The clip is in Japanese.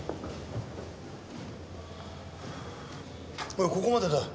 おいここまでだ。